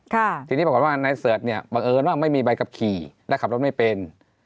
ทีนี้ปรากฏว่านายเสิร์ชเนี่ยบังเอิญว่าไม่มีใบขับขี่และขับรถไม่เป็น